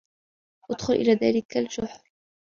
ادخل إلى ذلك الجحر.